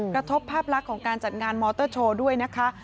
กระทบภาพลักษณ์ของการจัดงานมอเตอร์โชว์ด้วยนะคะ